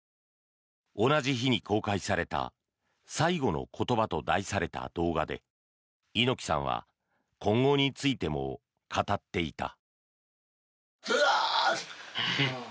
同じ日に公開された「最期の言葉」と題された動画で猪木さんは今後についても語っていた。